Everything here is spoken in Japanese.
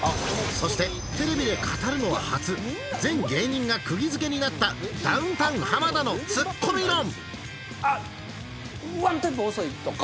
そしてテレビで語るのは初全芸人がくぎづけになったダウンタウン浜田のツッコミ論とか。